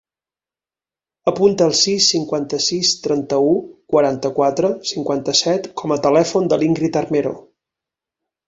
Apunta el sis, cinquanta-sis, trenta-u, quaranta-quatre, cinquanta-set com a telèfon de l'Íngrid Armero.